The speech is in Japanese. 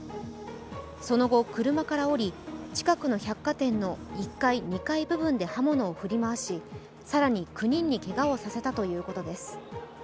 その後、車から降り近くの百貨店の１階、２階部分で刃物を振り回し、更に９人にけがをさせたということです。